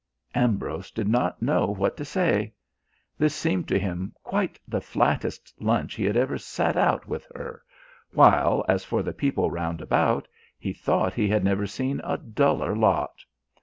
Ambrose did not know what to say. This seemed to him quite the flattest lunch he had ever sat out with her, while, as for the people round about, he thought he had never seen a duller lot.